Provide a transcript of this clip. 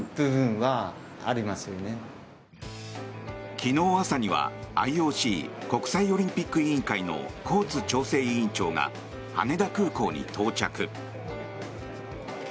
昨日朝にはＩＯＣ・国際オリンピック委員会のコーツ調整委員長が羽田空港に到着。